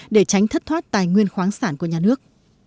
để tránh thất thoát tài nguyên khoáng sản của nhà nước